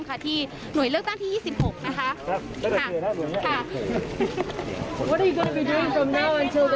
โอเคเออลืมไปเลยวะ